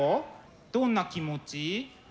どんな気持ち？